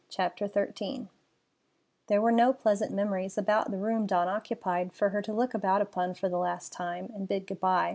CHAPTER XIII There were no pleasant memories about the room Dawn occupied for her to look about upon for the last time, and bid good by.